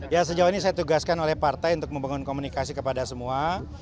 ya sejauh ini saya tugaskan oleh partai untuk membangun komunikasi kepada semua